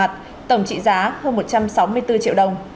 tổng trị giá hơn một trăm sáu mươi bốn triệu đồng